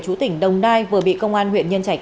chú tỉnh đồng nai vừa bị công an huyện nhân trạch